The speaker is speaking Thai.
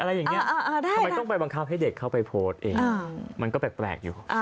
อะไรอย่างนี้ทำไมต้องไปบังคับให้เด็กเข้าไปโพสต์เองมันก็แปลกอยู่